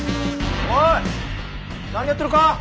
おい何やってるか？